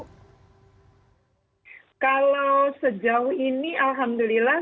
kalau sejauh ini alhamdulillah